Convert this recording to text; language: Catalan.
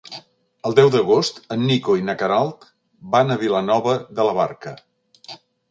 El deu d'agost en Nico i na Queralt van a Vilanova de la Barca.